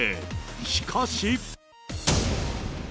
しかし。